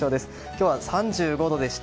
今日は３５度でした。